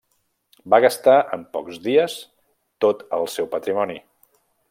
Va gastar en pocs dies tot el seu patrimoni.